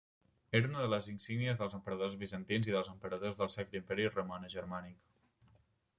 Era una de les insígnies dels emperadors bizantins i dels emperadors del Sacre Imperi Romanogermànic.